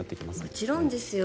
もちろんですよ。